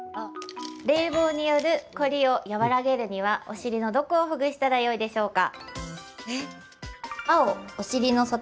冷房による凝りを和らげるにはお尻のどこをほぐしたらよいでしょうか？